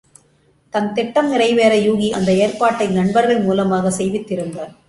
தன் திட்டம் நிறைவேற யூகி அந்த ஏற்பாட்டை நண்பர்கள் மூலமாகச் செய்வித்திருந்தான்.